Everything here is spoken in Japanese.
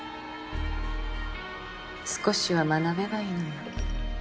少しは学べばいいのよ。